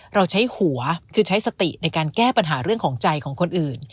เราใช้หัวคือใช้สติในการแก้ปัญหาเรื่องของใจของคนอื่น